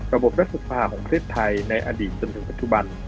ระบบรัฐศพาของเทรดไทยในอดีตจนถึงปัจจุบัน